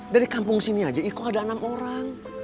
dari kampung sini aja iko ada enam orang